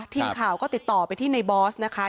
ทีมข่าวก็ติดต่อไปที่ในบอสนะคะ